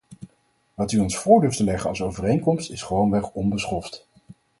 Wat u ons voor durft te leggen als overeenkomst is gewoonweg onbeschoft.